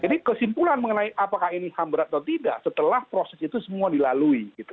jadi kesimpulan mengenai apakah ini ham berat atau tidak setelah proses itu semua dilalui